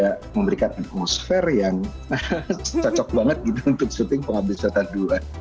ya memberikan atmosfer yang cocok banget gitu untuk syuting penghabisan kedua